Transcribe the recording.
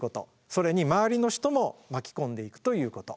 それに周りの人も巻き込んでいくということ。